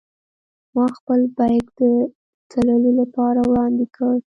ما خپل بېک د تللو لپاره وړاندې کړ.